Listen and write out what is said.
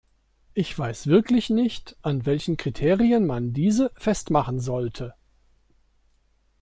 Ich weiß wirklich nicht, an welchen Kriterien man diese festmachen sollte.